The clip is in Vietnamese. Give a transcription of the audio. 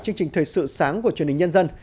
chương trình thời sự sáng của truyền hình nhân dân